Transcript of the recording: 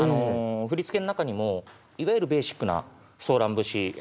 振付の中にもいわゆるベーシックな「ソーラン節」